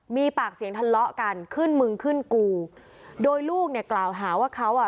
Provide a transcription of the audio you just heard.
มีปากเสียงทะเลาะกันขึ้นมึงขึ้นกูโดยลูกเนี่ยกล่าวหาว่าเขาอ่ะ